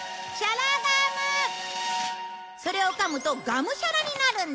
それをかむとガムシャラになるんだ。